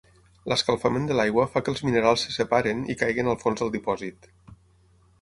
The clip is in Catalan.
L'escalfament de l'aigua fa que els minerals se separin i caiguin al fons del dipòsit.